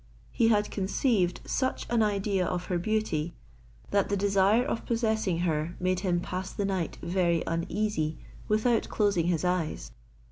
He had conceived such an idea of her beauty, that the desire of possessing her made him pass the night very uneasy without closing his eyes.